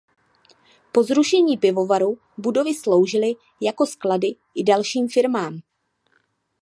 Po zrušení pivovaru budovy sloužily jako sklady i dalším firmám.